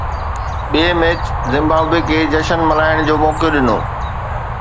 ٻئين match Zimbabwe کي جشن ملهائڻ جو موقعو ڏنو